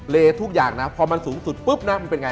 ทุกอย่างนะพอมันสูงสุดปุ๊บนะมันเป็นไง